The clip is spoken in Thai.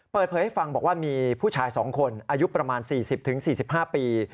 เปิดเผยให้ฟังบอกว่ามีผู้ชาย๒คนอายุประมาณ๔๐๔๕ปี